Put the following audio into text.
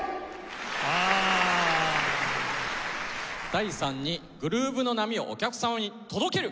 第３にグルーヴの波をお客様に届ける！